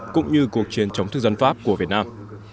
cũng như cuộc chiến chống thức dân pháp của việt nam